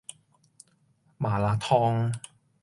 麻辣燙